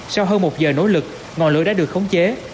sau hơn một giờ nỗ lực ngọn lửa đã được khống chế